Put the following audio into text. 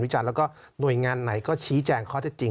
ทำไมรัฐต้องเอาเงินภาษีประชาชน